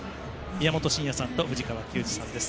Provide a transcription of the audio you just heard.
宮本慎也さんと藤川球児さんです。